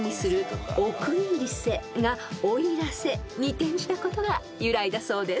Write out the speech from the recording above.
［転じたことが由来だそうです］